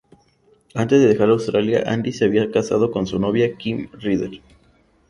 Antes de dejar Australia, Andy se había casado con su novia, Kim Reeder.